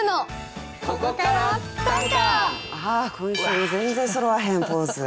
ああ今週も全然そろわへんポーズ。